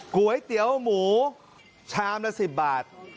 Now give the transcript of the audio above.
ก๋วยเตี๋ยวหมูชามละ๑๐บาท